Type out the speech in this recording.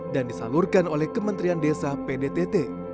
dan disalurkan oleh kementerian desa pdtt